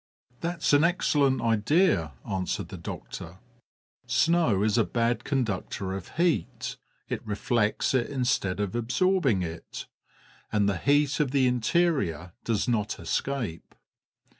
"That's an excellent idea," answered the doctor. "Snow is a bad conductor of heat; it reflects it instead of absorbing it, and the heat of the interior does not escape."